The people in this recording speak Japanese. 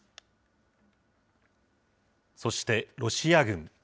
そして、ロシア軍。